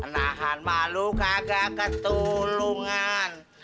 nahan malu kagak ketulungan